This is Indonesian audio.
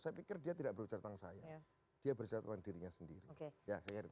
saya pikir dia tidak bercerita tentang saya dia bercerita tentang dirinya sendiri